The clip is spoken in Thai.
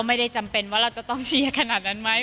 จำเป็นว่าเราจะต้องเชียร์ขนาดนั้นไหม